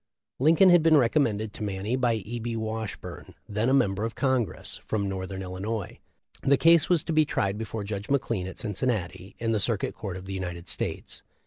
Lincoln had been recommended to Manny by E. B. Washburne, then a member of Congress from north ern Illinois. The case was to be tried before Judge McLean at Cincinnati, in the Circuit Court of the United States.